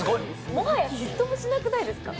もはや嫉妬もしなくないですか？